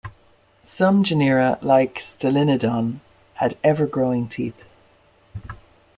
Some genera, like "Stylinodon", had ever-growing teeth.